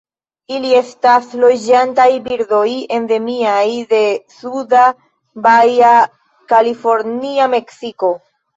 Ili estas loĝantaj birdoj endemiaj de suda Baja California, Meksiko.